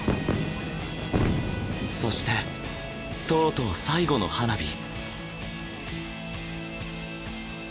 そしてとうとう最後の花火。